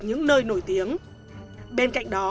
những nơi nổi tiếng bên cạnh đó